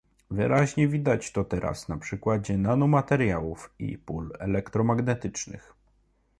Wyraźnie widać to teraz na przykładzie nanomateriałów i pól elektromagnetycznych